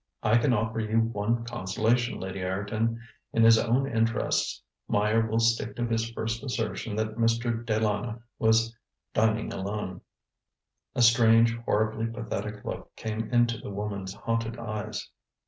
I can offer you one consolation, Lady Ireton. In his own interests Meyer will stick to his first assertion that Mr. De Lana was dining alone. ŌĆØ A strange, horribly pathetic look came into the woman's haunted eyes.